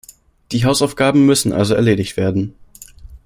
Die Hausaufgaben müssen also erledigt werden.